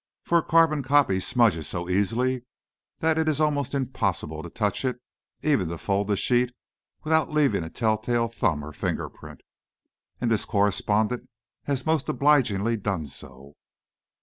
For a carbon copy smudges so easily that it is almost impossible to touch it, even to fold the sheet, without leaving a telltale thumb or finger print! And this correspondent has most obligingly done so!"